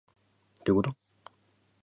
どういうこと